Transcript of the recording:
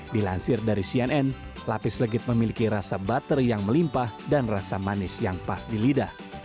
dilansir dari cnn lapis legit memiliki rasa butter yang melimpah dan rasa manis yang pas di lidah